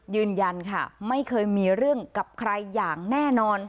ยืนยันค่ะไม่เคยมีเรื่องกับใครอย่างแน่นอน